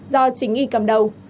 do chính y cầm đầu